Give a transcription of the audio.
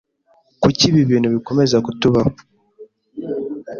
Kuki ibi bintu bikomeza kutubaho?